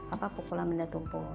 apa pukulan benda tumpul